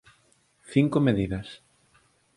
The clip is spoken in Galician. Cinco medidas